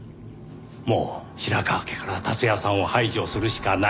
もう白河家から達也さんを排除するしかない。